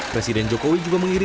presiden jokowi juga menyebutkan